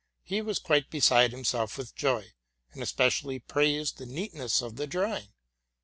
He was quite beside himself with joy, and especially praised the neat ness of the drawing.